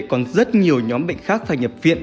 còn rất nhiều nhóm bệnh khác phải nhập viện